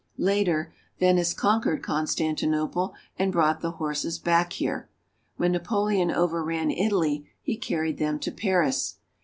Later Venice conquered Constantinople, and brought the horses back here. When Napoleon overran Italy he carried them to Paris.